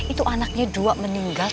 itu anaknya dua meninggal